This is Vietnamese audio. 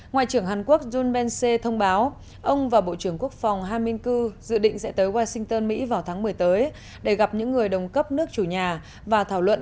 ngoại trưởng hàn quốc jun ben se thông báo ông và bộ trưởng quốc phòng han min kyu dự định sẽ tới washington mỹ vào tháng một mươi tới để gặp những người đồng cấp nước chủ nhà và thảo luận